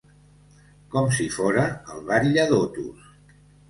Com si fora el batlle d'Otos.